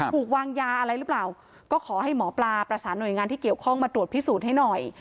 ถูกวางยาอะไรหรือเปล่าก็ขอให้หมอปลาประสานหน่วยงานที่เกี่ยวข้องมาตรวจพิสูจน์ให้หน่อย